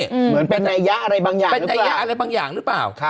เหมือนเป็นนัยยะอะไรบางอย่างเป็นนัยยะอะไรบางอย่างหรือเปล่า